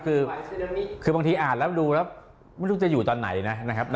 คือบางทีอ่านแล้วดูแล้วไม่รู้จะอยู่ตอนไหนนะครับ